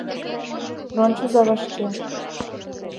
Рончыза вашке!